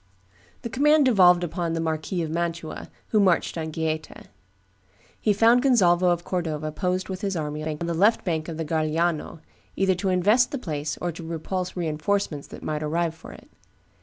The command devolved upon the Marquis of Mantua, who marched on Gaeta. He found Gonzalvo of Cordova posted with his army on the left bank of the Garigliano, either to invest the place or to repulse re enforcements that might arrive for it.